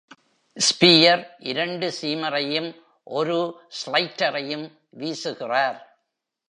Spear இரண்டு சீமரையும் ஒரு ஸ்லைடரையும் வீசுகிறார்.